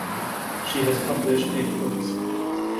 She has published eight books.